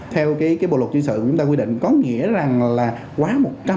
theo bộ luật dân sự chúng ta quy định có nghĩa là quá một trăm linh